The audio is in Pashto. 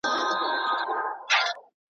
ملنګه ! په اخبار کښې يو خبر هم ﺯمونږ نشته .